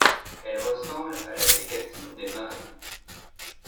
Elle ressemble à la Bécassine des marais.